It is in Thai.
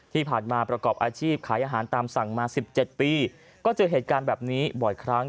ที่ผ่านมาประกอบอาชีพขายอาหารตามสั่งมา๑๗ปีก็เจอเหตุการณ์แบบนี้บ่อยครั้ง